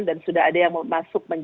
dan sudah ada yang mau masuk